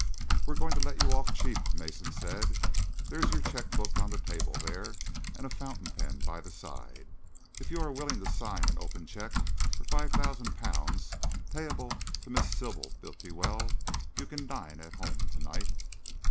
"We're going to let you off cheap," Mason said. "There's your cheque book on the table there, and a fountain pen by the side. If you are willing to sign an open cheque for five thousand pounds, payable to Miss Sybil Bultiwell, you can dine at home to night."